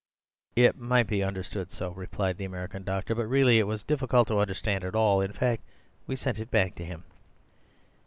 "It might be understood so," replied the American doctor; "but, really, it was difficult to understand at all. In fact, we sent it back to him."